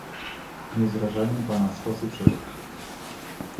"Nie zrażają pana stosy przeszkód."